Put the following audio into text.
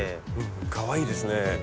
かわいいですね。